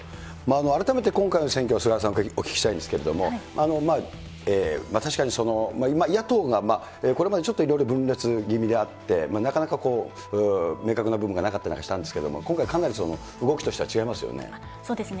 改めて今回の選挙、菅原さんにお聞きしたいんですけれど、確かに、野党がこれまでちょっといろいろ分裂気味であって、なかなか明確な部分がなかったりなんかしたんですけど、今回かなそうですね。